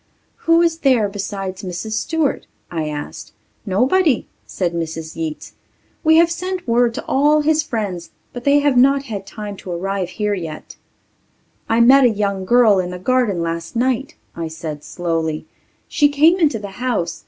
"Who is here besides Mrs. Stewart?" I asked. "Nobody," said Mrs. Yeats. "We have sent word to all his friends but they have not had time to arrive here yet." "I met a young girl in the garden last night," I said slowly. "She came into the house.